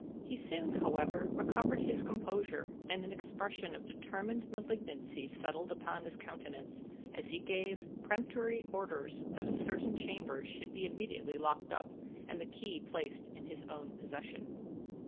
He soon, however, recovered his composure, and an expression of determined malignancy settled upon his countenance, as he gave peremptory orders that a certain chamber should be immediately locked up, and the key placed in his own possession.